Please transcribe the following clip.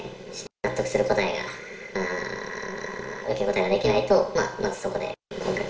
納得する答えが、受け答えができないと、まずそこで降格。